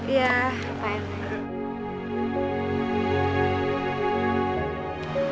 iya pak rt